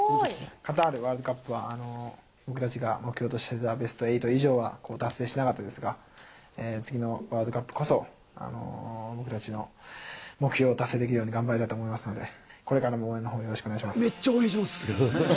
カタールワールドカップは、僕たちが目標としていたベスト８以上は達成しなかったですが、次のワールドカップこそ、僕たちの目標を達成できるように頑張りたいと思いますので、これからも応援のほう、よろしくお願いしまめっちゃ応援します。